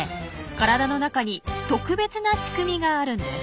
体の中に特別な仕組みがあるんです。